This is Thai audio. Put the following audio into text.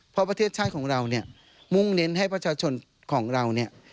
เพราะประเทศชาติของเราเนี่ยมุ่งเน้นให้ประชาชนของเราเนี่ย